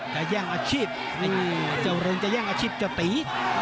แย่งอาชีพนี่เจ้าเริงจะแย่งอาชีพเจ้าตี